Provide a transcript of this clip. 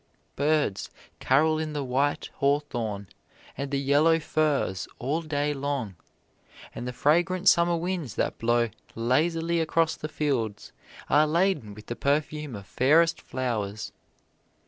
Birds carol in the white hawthorn and the yellow furze all day long, and the fragrant summer winds that blow lazily across the fields are laden with the perfume of fairest flowers.